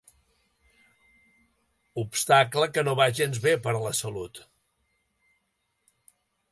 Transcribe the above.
Obstacle que no va gens bé per a la salut.